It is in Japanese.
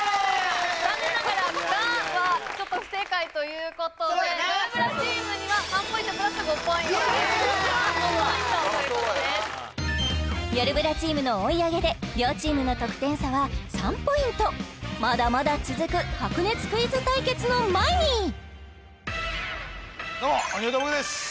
残念ながら「が」はちょっと不正解ということでよるブラチームには３ポイントプラス５ポイントよるブラチームの追い上げで両チームの得点差は３ポイントまだまだ続く白熱クイズ対決の前にどうも鬼越トマホークです